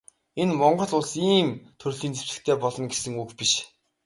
Энэ нь Монгол Улс ийм төрлийн зэвсэгтэй болно гэсэн үг биш.